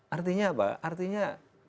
artinya apa artinya